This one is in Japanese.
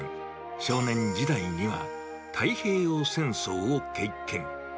少年時代には太平洋戦争を経験。